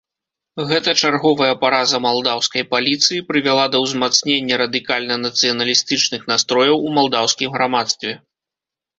Гэта чарговая параза малдаўскай паліцыі прывяла да ўзмацнення радыкальна нацыяналістычных настрояў у малдаўскім грамадстве.